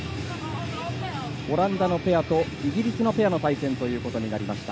オランダのペアとイギリスのペアの対戦ということになりました。